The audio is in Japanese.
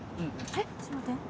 えっちょっと待って。